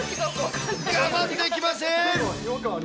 我慢できません。